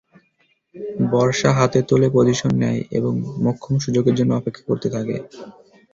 বর্শা হাতে তোলে পজিশন নেয় এবং মোক্ষম সুযোগের জন্য অপেক্ষা করতে থাকে।